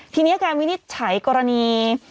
ทีนี้การวินิจฉัยกรณี